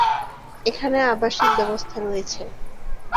এখানে আবাসিক ব্যবস্থা রয়েছে।